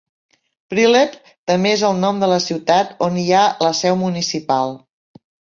Prilep també és el nom de la ciutat on hi ha la seu municipal.